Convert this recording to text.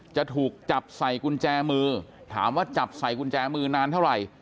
จะถูกจับใส่กุญแจมือถามว่าจับใส่กุญแจมือนานเท่าไหร่